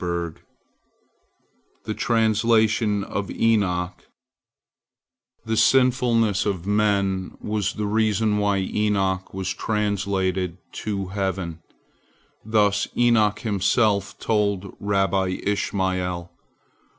THE TRANSLATION OF ENOCH The sinfulness of men was the reason why Enoch was translated to heaven. Thus Enoch himself told Rabbi Ishmael.